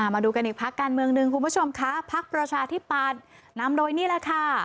มาดูกันอีกพักการเมืองหนึ่งคุณผู้ชมคะพักประชาธิปัตย์นำโดยนี่แหละค่ะ